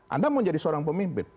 anda mau jadi seorang pemimpin